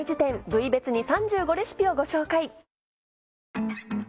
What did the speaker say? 部位別に３５レシピをご紹介。